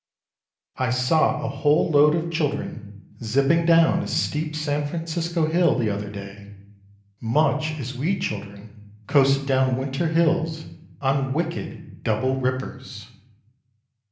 I saw a whole load of children zipping down a steep San Francisco hill the other day much as we children coasted down winter hills on wicked "double rippers."